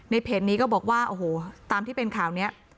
เพจนี้ก็บอกว่าโอ้โหตามที่เป็นข่าวนี้